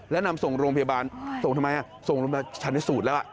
แล้วนำส่งโรงพยาบาลส่งทำไมส่งโรงพยาบาลชันสูตรแล้ว